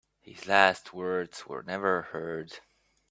His last words were never heard.